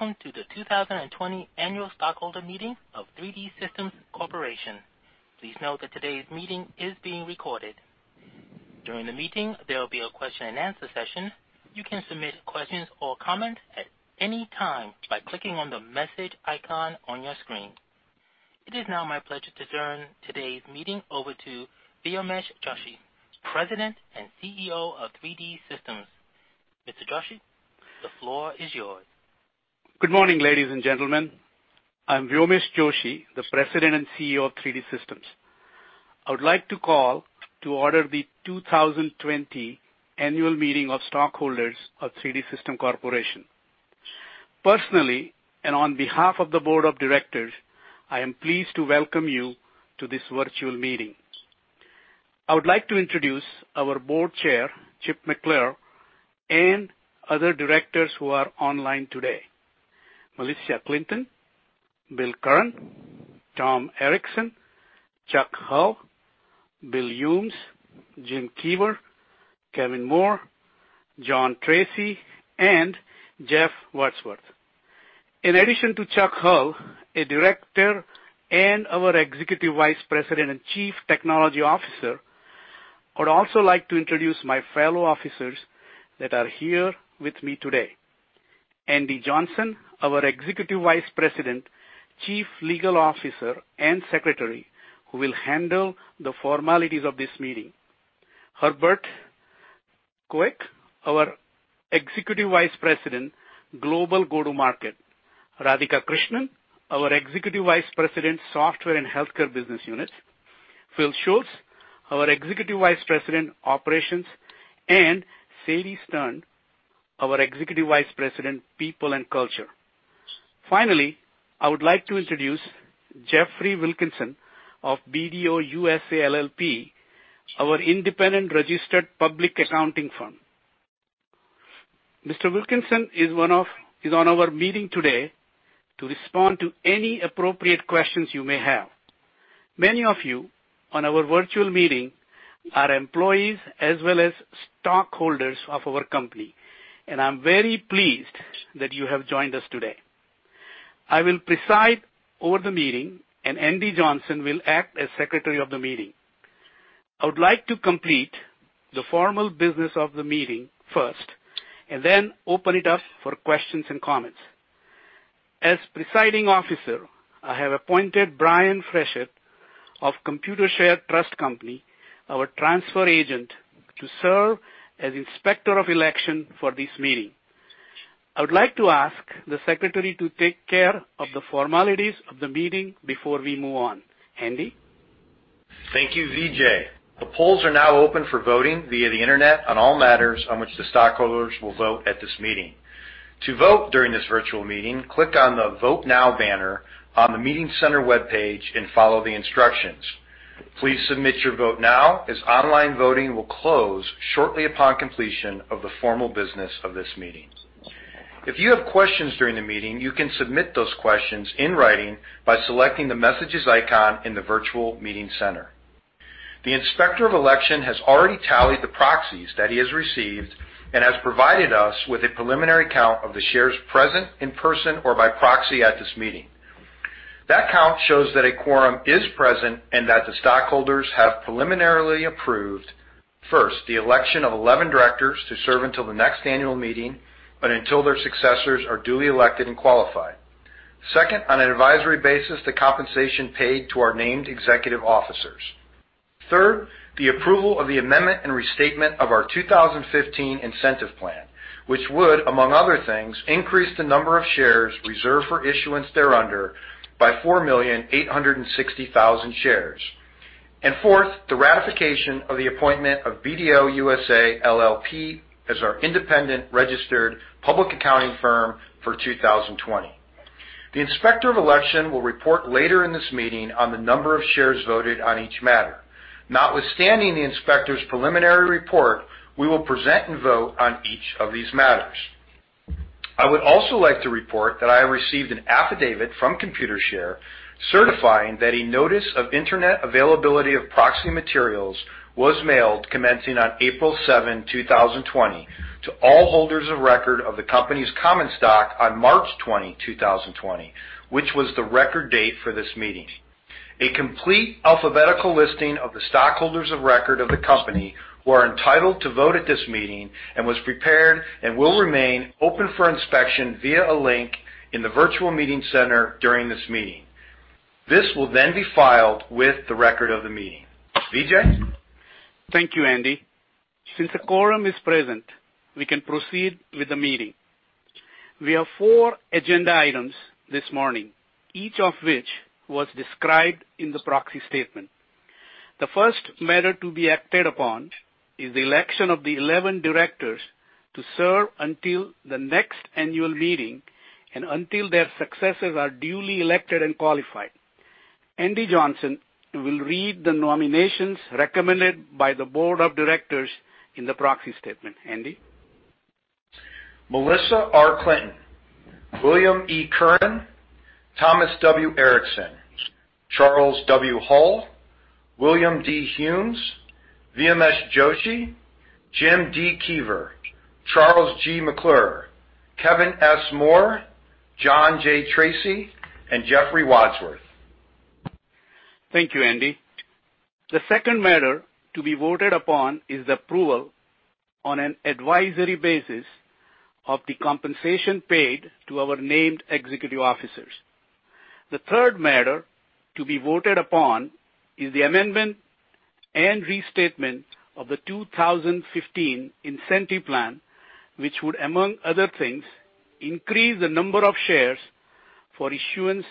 Hello, and welcome to the 2020 Annual Stockholder Meeting of 3D Systems Corporation. Please note that today's meeting is being recorded. During the meeting, there will be a question and answer session. You can submit questions or comments at any time by clicking on the message icon on your screen. It is now my pleasure to turn today's meeting over to Vyomesh Joshi, President and CEO of 3D Systems. Mr. Joshi, the floor is yours. Good morning, ladies and gentlemen. I'm Vyomesh Joshi, the President and CEO of 3D Systems. I would like to call to order the 2020 Annual Meeting of Stockholders of 3D Systems Corporation. Personally, and on behalf of the Board of Directors, I am pleased to welcome you to this virtual meeting. I would like to introduce our Board Chair, Chip McClure, and other directors who are online today: Malissia Clinton, Will Curran, Tom Erickson, Chuck Hull, Will Humes, Jim Kever, Kevin Moore, John Tracy, and Jeff Wadsworth. In addition to Chuck Hull, a Director and our Executive Vice President and Chief Technology Officer, I would also like to introduce my fellow officers that are here with me today: Andy Johnson, our Executive Vice President, Chief Legal Officer, and Secretary, who will handle the formalities of this meeting. Herbert Koeck, our Executive Vice President, Global Go-To-Market; Radhika Krishnan, our Executive Vice President, Software and Healthcare Business Unit; Phil Schultz, our Executive Vice President, Operations; and Sadie Stern, our Executive Vice President, People and Culture. Finally, I would like to introduce Jeffrey Wilkinson of BDO USA, LLP, our independent registered public accounting firm. Mr. Wilkinson is on our meeting today to respond to any appropriate questions you may have. Many of you on our virtual meeting are employees as well as stockholders of our company, and I'm very pleased that you have joined us today. I will preside over the meeting, and Andy Johnson will act as Secretary of the meeting. I would like to complete the formal business of the meeting first and then open it up for questions and comments. As Presiding Officer, I have appointed Brian Fraser of Computershare Trust Company, our transfer agent, to serve as Inspector of Election for this meeting. I would like to ask the Secretary to take care of the formalities of the meeting before we move on. Andy? Thank you, VJ. The polls are now open for voting via the Internet on all matters on which the stockholders will vote at this meeting. To vote during this virtual meeting, click on the "Vote Now" banner on the Meeting Center web page and follow the instructions. Please submit your vote now as online voting will close shortly upon completion of the formal business of this meeting. If you have questions during the meeting, you can submit those questions in writing by selecting the messages icon in the virtual Meeting Center. The Inspector of Election has already tallied the proxies that he has received and has provided us with a preliminary count of the shares present in person or by proxy at this meeting. That count shows that a quorum is present and that the stockholders have preliminarily approved, first, the election of 11 directors to serve until the next annual meeting, but until their successors are duly elected and qualified, second, on an advisory basis, the compensation paid to our named executive officers, third, the approval of the amendment and restatement of our 2015 Incentive Plan, which would, among other things, increase the number of shares reserved for issuance thereunder by 4,860,000 shares, and fourth, the ratification of the appointment of BDO USA, LLP as our independent registered public accounting firm for 2020. The Inspector of Election will report later in this meeting on the number of shares voted on each matter. Notwithstanding the Inspector's preliminary report, we will present and vote on each of these matters. I would also like to report that I have received an affidavit from Computershare certifying that a notice of Internet availability of proxy materials was mailed commencing on April 7, 2020, to all holders of record of the company's Common Stock on March 20, 2020, which was the Record Date for this meeting. A complete alphabetical listing of the stockholders of record of the company who are entitled to vote at this meeting was prepared and will remain open for inspection via a link in the virtual Meeting Center during this meeting. This will then be filed with the record of the meeting. VJ? Thank you, Andy. Since the quorum is present, we can proceed with the meeting. We have four agenda items this morning, each of which was described in the proxy statement. The first matter to be acted upon is the election of the 11 directors to serve until the next annual meeting and until their successors are duly elected and qualified. Andy Johnson will read the nominations recommended by the Board of Directors in the proxy statement. Andy? Malissia R. Clinton, William E. Curran, Thomas W. Erickson, Charles W. Hull, William D. Humes, Vyomesh Joshi, Jim D. Kever, Charles G. McClure, Kevin S. Moore, John J. Tracy, and Jeffrey Wadsworth. Thank you, Andy. The second matter to be voted upon is the approval, on an advisory basis, of the compensation paid to our named executive officers. The third matter to be voted upon is the amendment and restatement of the 2015 Incentive Plan, which would, among other things, increase the number of shares for issuance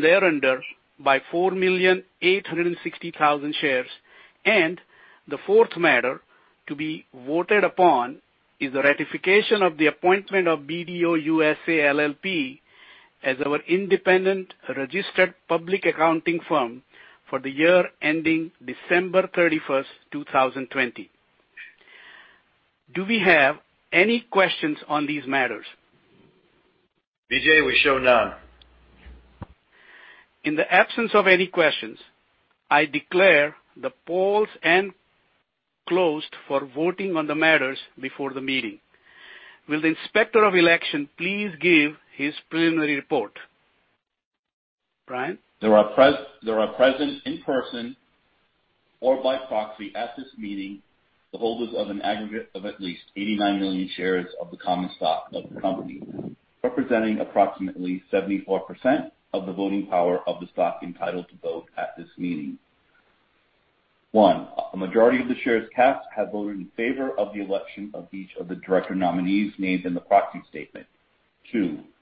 thereunder by 4,860,000 shares. The fourth matter to be voted upon is the ratification of the appointment of BDO USA, LLP as our independent registered public accounting firm for the year ending December 31st, 2020. Do we have any questions on these matters? VJ, we show none. In the absence of any questions, I declare the polls closed for voting on the matters before the meeting. Will the Inspector of Election please give his preliminary report? Brian? There are present in person or by proxy at this meeting the holders of an aggregate of at least 89 million shares of the Common Stock of the company, representing approximately 74% of the voting power of the stock entitled to vote at this meeting. One, a majority of the shares cast have voted in favor of the election of each of the director nominees named in the proxy statement. Two, a majority of the shares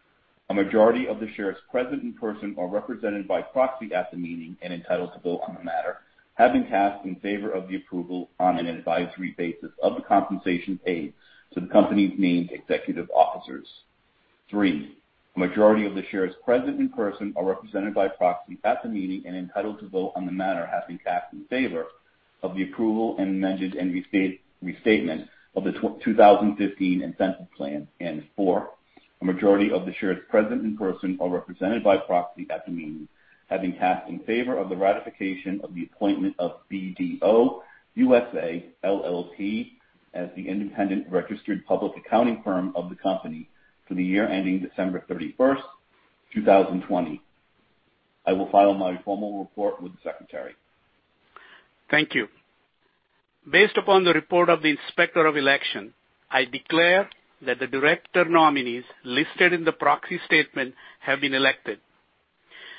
present in person or represented by proxy at the meeting and entitled to vote on the matter have been cast in favor of the approval, on an advisory basis, of the compensation paid to the company's named executive officers. Three, a majority of the shares present in person or represented by proxy at the meeting and entitled to vote on the matter have been cast in favor of the approval of the amendment and restatement of the 2015 Incentive Plan, and four, a majority of the shares present in person or represented by proxy at the meeting have been cast in favor of the ratification of the appointment of BDO USA, LLP as the independent registered public accounting firm of the company for the year ending December 31st, 2020. I will file my formal report with the Secretary. Thank you. Based upon the report of the Inspector of Election, I declare that the director nominees listed in the proxy statement have been elected.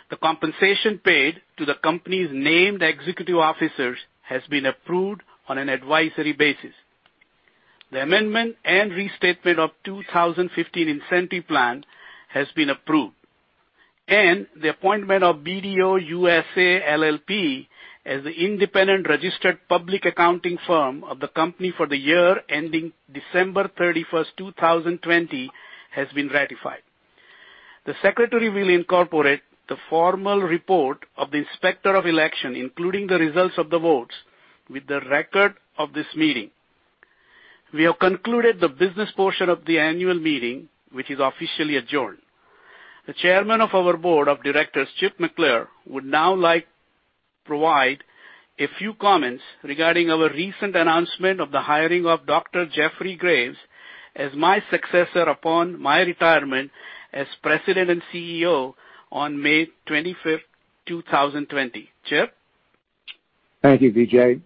The compensation paid to the company's named executive officers has been approved on an advisory basis. The amendment and restatement of the 2015 Incentive Plan has been approved. And the appointment of BDO USA, LLP as the independent registered public accounting firm of the company for the year ending December 31st, 2020, has been ratified. The Secretary will incorporate the formal report of the Inspector of Election, including the results of the votes, with the record of this meeting. We have concluded the business portion of the annual meeting, which is officially adjourned. The Chairman of our Board of Directors, Chip McClure, would now like to provide a few comments regarding our recent announcement of the hiring of Dr. Jeffrey Graves as my successor upon my retirement as President and CEO on May 25th, 2020. Chip? Thank you, VJ.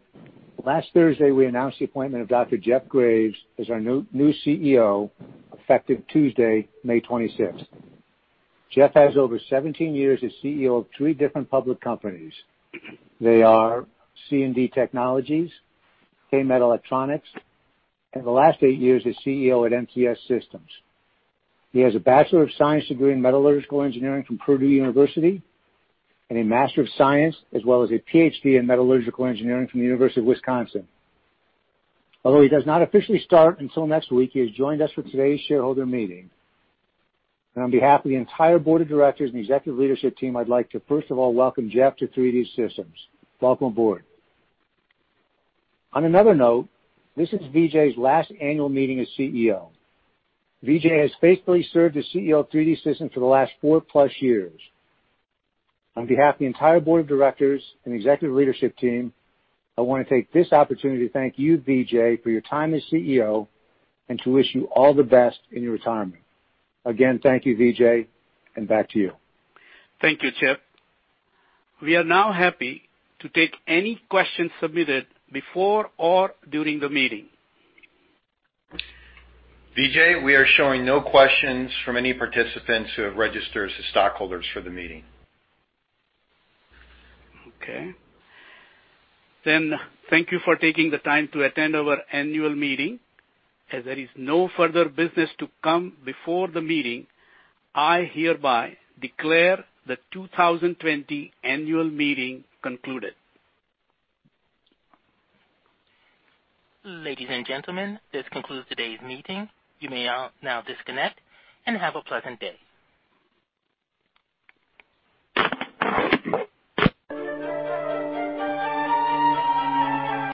Last Thursday, we announced the appointment of Dr. Jeff Graves as our new CEO, effective Tuesday, May 26. Jeff has over 17 years as CEO of three different public companies. They are C&D Technologies, KEMET Electronics, and the last eight years as CEO at MTS Systems. He has a Bachelor of Science degree in Metallurgical Engineering from Purdue University and a Master of Science, as well as a PhD in Metallurgical Engineering from the University of Wisconsin. Although he does not officially start until next week, he has joined us for today's shareholder meeting, and on behalf of the entire Board of Directors and Executive Leadership Team, I'd like to, first of all, welcome Jeff to 3D Systems. Welcome aboard. On another note, this is VJ's last annual meeting as CEO. VJ has faithfully served as CEO of 3D Systems for the last four-plus years. On behalf of the entire Board of Directors and Executive Leadership Team, I want to take this opportunity to thank you, VJ, for your time as CEO and to wish you all the best in your retirement. Again, thank you, VJ, and back to you. Thank you, Chip. We are now happy to take any questions submitted before or during the meeting. VJ, we are showing no questions from any participants who have registered as stockholders for the meeting. Okay. Then thank you for taking the time to attend our annual meeting. As there is no further business to come before the meeting, I hereby declare the 2020 Annual Meeting concluded. Ladies and gentlemen, this concludes today's meeting. You may now disconnect and have a pleasant day.